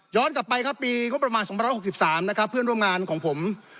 กลับไปครับปีงบประมาณ๒๖๓นะครับเพื่อนร่วมงานของผม